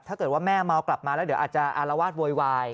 ถ้าเกิดว่าแม่เมากลับมาแล้วเดี๋ยวอาจจะอารวาสโวยวาย